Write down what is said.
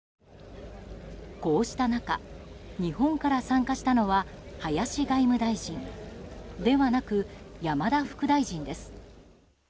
こうした中日本から参加したのは林外務大臣ではなく山田副大臣です。